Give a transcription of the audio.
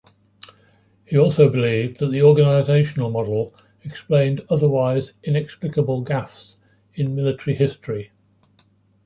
He also believed that the organizational model explained otherwise inexplicable gaffes in military history.